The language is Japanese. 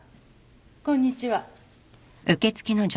こんにちは。